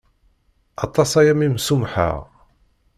Aṭas-aya mi m-sumḥeɣ.